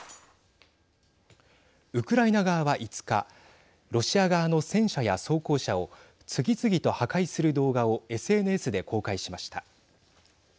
ウクライナ側は５日ロシア側の戦車や装甲車を次々と破壊する動画をＳＮＳで公開しました。